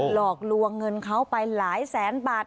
หลอกลวงเงินเขาไปหลายแสนบาท